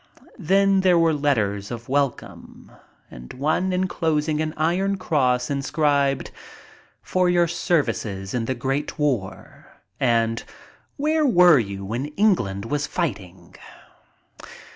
Then there were letters of welcome and one inclosing an iron cross inscribed, "For your services in the great war," and "Where were you when England was fighting?"